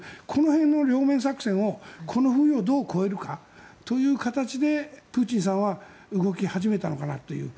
両面作戦でここをどう超えるかという形でプーチンさんは動き始めたのかなという。